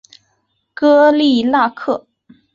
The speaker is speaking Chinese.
戈利纳克。